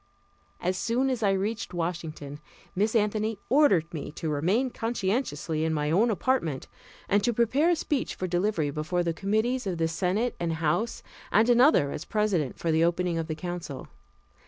As soon as I reached Washington, Miss Anthony ordered me to remain conscientiously in my own apartment and to prepare a speech for delivery before the committees of the Senate and House, and another, as President, for the opening of the council.